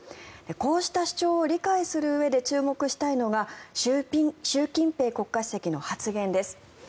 こうした主張を理解するうえで注目したいのが習近平国家主席の発言です。